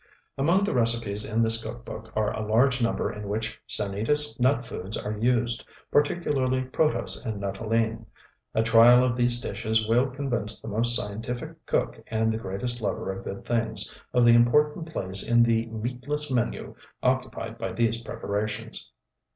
_Among the recipes in this cook book are a large number in which Sanitas Nut Foods are used, particularly Protose and Nuttolene. A trial of these dishes will convince the most scientific cook and the greatest lover of good things, of the important place in the "meatless menu" occupied by these preparations.